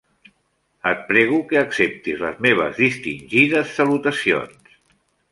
Et prego que acceptis les meves distingides salutacions.